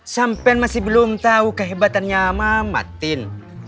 sampai masih belum tahu kehebatannya mamatin